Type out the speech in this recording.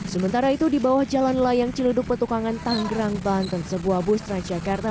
sementara itu di bawah jalan layang celuduk petukangan tanggerang banten sebuah bus transjakarta